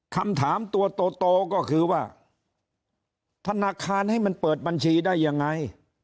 คำถามตัวโตก็คือว่าธนาคารให้มันเปิดบัญชีได้ยังไง